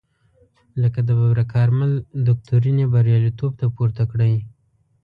لکه د ببرک کارمل دکترین یې بریالیتوب ته پورته کړی.